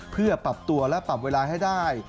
เพื่อปรับตัวและปรับเวลาให้ได้